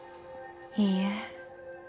いいえ。